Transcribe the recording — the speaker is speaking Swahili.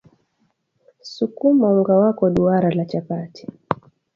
sukuma unga wako duara la chapati